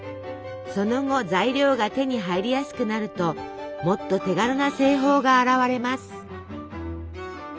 その後材料が手に入りやすくなるともっと手軽な製法が現れます。